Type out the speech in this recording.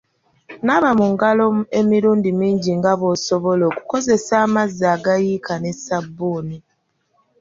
Naaba mu ngalo emirundi mingi nga bw’osobola ng’okozesa amazzi agayiika ne ssabbuuni.